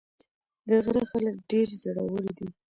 د غره خلک ډېر زړور دي.